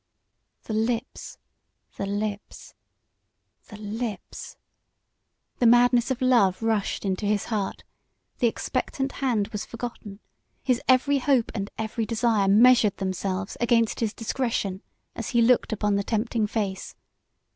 The lips! The lips! The lips! The madness of love rushed into his heart; the expectant hand was forgotten; his every hope and every desire measured themselves against his discretion as he looked upon the tempting face.